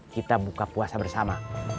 kita buka puasa bersama